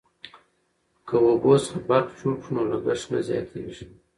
که اوبو څخه برق جوړ کړو نو لګښت نه زیاتیږي.